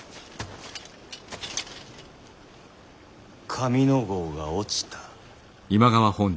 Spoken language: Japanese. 上ノ郷が落ちた。